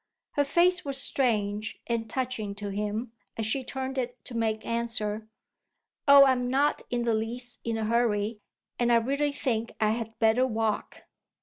Her face was strange and touching to him as she turned it to make answer: "Oh I'm not in the least in a hurry and I really think I had better walk."